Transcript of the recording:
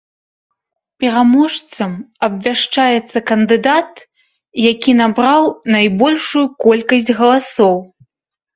Пераможцам абвяшчаецца кандыдат, які набраў найбольшую колькасць галасоў.